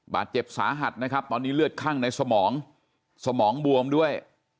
บาดเจ็บสาหัสนะครับตอนนี้เลือดคั่งในสมองสมองบวมด้วย